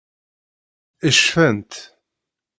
Cfant.